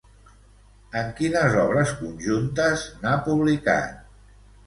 En quines obres conjuntes n'ha publicat?